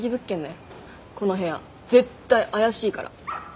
この部屋絶対怪しいから。